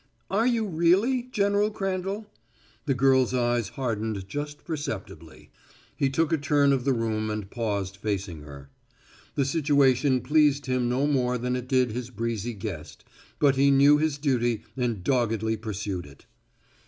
"Are you really, General Crandall?" The girl's eyes hardened just perceptibly. He took a turn of the room and paused, facing her. The situation pleased him no more than it did his breezy guest, but he knew his duty and doggedly pursued it.